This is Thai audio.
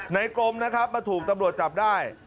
กรมนะครับมาถูกตำรวจจับได้